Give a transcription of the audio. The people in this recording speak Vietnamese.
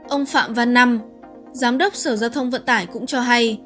ông phạm văn năm giám đốc sở giao thông vận tải cũng cho hay